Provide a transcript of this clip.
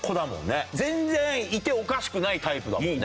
全然いておかしくないタイプだもんね。